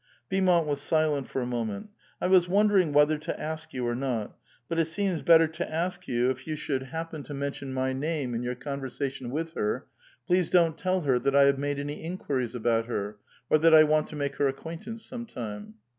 — Beaumont was silent for a moment. —" I was wondering whether to ask you or not ; but it seems better to ask you, if you should happen 430 A VITAL QUESTION. to mention my name in joar conversation with her, please don^t tell her that I have made any inqniries about her, or that I want to make her acqnaintance some time."